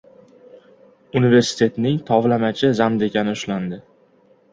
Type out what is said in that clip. Universitetning tovlamachi «zamdekan»i ushlandi